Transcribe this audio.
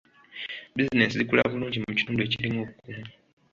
Bizinensi zikula bulungi mu kitundu ekirimu obukuumi.